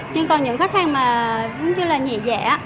nhưng còn những khách hàng mà giống như là nhẹ dẻ